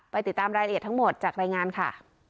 ติดตามรายละเอียดทั้งหมดจากรายงานค่ะ